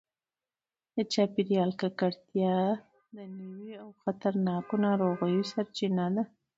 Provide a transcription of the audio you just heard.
د چاپیریال ککړتیا د نویو او خطرناکو ناروغیو سرچینه ده.